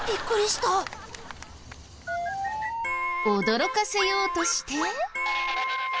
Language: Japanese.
驚かせようとして。